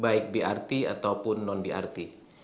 baik brt ataupun non brt